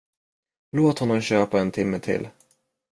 Låt honom köpa en timme till.